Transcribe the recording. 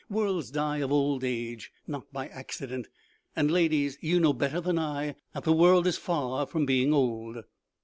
Worlds die of old age, not by accident, and, ladies, you know better than I that the world is far from being old.